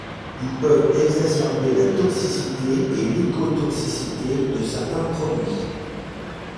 Ils peuvent exacerber la toxicité et l'écotoxicité de certains produits.